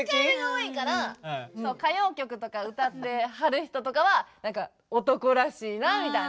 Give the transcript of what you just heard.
歌謡曲とか歌ってはる人とかは何か男らしいなみたいな。